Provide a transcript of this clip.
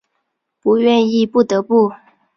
不愿意不得不